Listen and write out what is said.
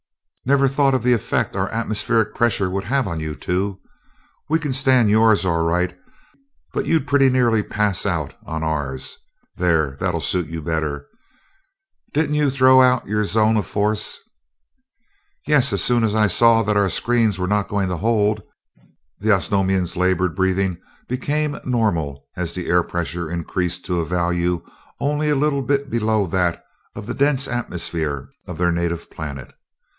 "Never thought of the effect our atmospheric pressure would have on you two. We can stand yours all right, but you'd pretty nearly pass out on ours. There, that'll suit you better. Didn't you throw out your zone of force?" "Yes, as soon as I saw that our screens were not going to hold." The Osnomians' labored breathing became normal as the air pressure increased to a value only a little below that of the dense atmosphere of their native planet.